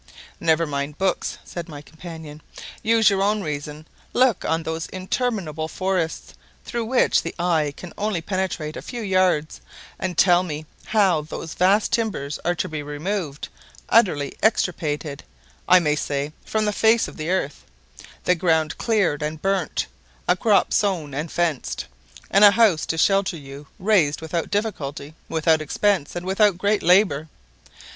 "Never mind books," said my companion, "use your own reason. Look on those interminable forests, through which the eye can only penetrate a few yards, and tell me how those vast timbers are to be removed, utterly extirpated, I may say, from the face of the earth, the ground cleared and burnt, a crop sown and fenced, and a house to shelter you raised, without difficulty, without expense, and without great labour.